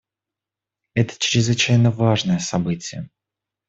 Это чрезвычайно важное событие.